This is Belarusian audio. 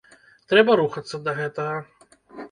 Трэба рухацца да гэтага.